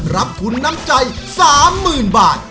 รับทุนน้ำใจ๓๐๐๐บาท